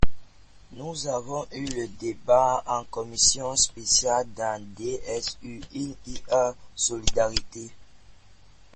Nous avons eu le débat en commission spéciale ; dans DSU il y a « solidarité ».